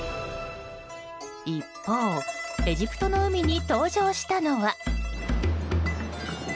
一方、エジプトの海に登場したのは。